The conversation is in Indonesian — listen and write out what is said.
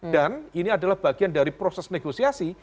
dan ini adalah bagian dari proses negosiasi